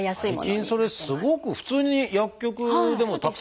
最近それすごく普通に薬局でもたくさん売ってますもんね。